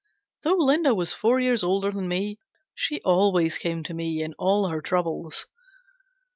Though Linda was four years older than me, she always came to me in all her troubles.